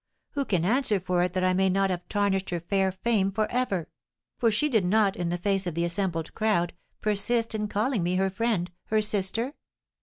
Who can answer for it that I may not have tarnished her fair fame for ever? for did she not, in the face of the assembled crowd, persist in calling me her friend her sister?